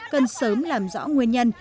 cần sớm làm rõ nguyên nhân